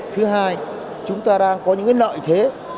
thứ hai chúng ta đang có những lợi thế